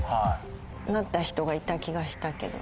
なった人がいた気がしたけど。